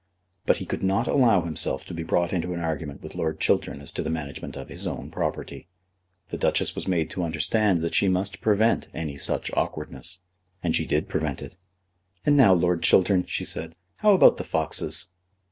But he could not allow himself to be brought into an argument with Lord Chiltern as to the management of his own property. The Duchess was made to understand that she must prevent any such awkwardness. And she did prevent it. "And now, Lord Chiltern," she said, "how about the foxes?"